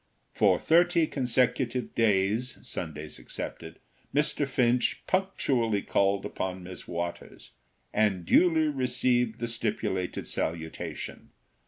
For thirty consecutive days, Sundays excepted, Mr. Finch punctually called upon Miss Waters, and duly received the stipulated salutation.